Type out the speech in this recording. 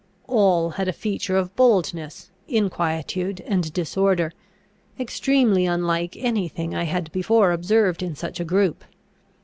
All had a feature of boldness, inquietude, and disorder, extremely unlike any thing I had before observed in such a group.